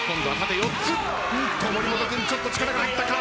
森本君ちょっと力が入ったか。